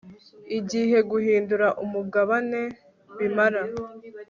igihe guhindura umugabane bimara